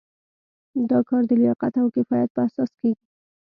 دا کار د لیاقت او کفایت په اساس کیږي.